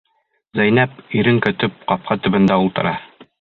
Зәйнәп, ирен көтөп, ҡапҡа төбөндә ултыра.